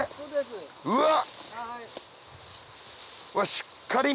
うわっ！